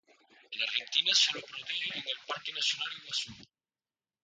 En Argentina se lo protege en el Parque Nacional Iguazú.